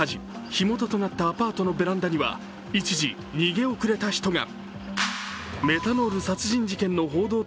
火元となったアパートのベランダには一時、逃げ遅れた人が。